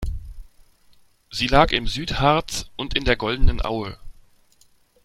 Sie lag im Südharz und in der Goldenen Aue.